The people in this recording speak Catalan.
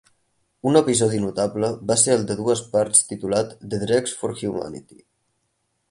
Un episodi notable va ser el de dues parts titulat "The Dregs of Humanity".